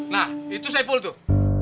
nah itu saya pul tuh